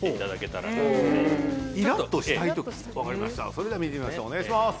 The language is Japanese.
それでは見てみましょうお願いします